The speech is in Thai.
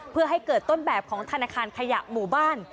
เพื่อให้เกิดต้นแบบของธนาคารขยะหมู่บ้าน